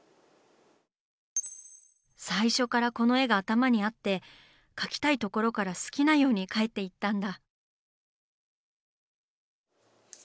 最初からこの絵が頭にあって描きたいところから好きなように描いていったんだ。